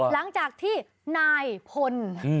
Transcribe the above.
หลังจากที่นายพล